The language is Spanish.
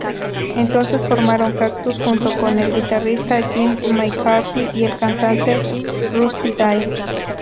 Entonces formaron Cactus junto con el guitarrista Jim McCarty y el cantante Rusty Day.